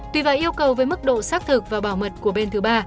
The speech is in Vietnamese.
tùy vào yêu cầu với mức độ xác thực và bảo mật của bên thứ ba